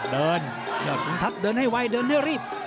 เดินดับเดินให้ไวเดินเร็วรีบ